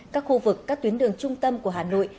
các khu vực các tuyến đường trung tâm của hà nội